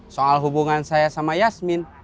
soal hubungan saya sama yasmin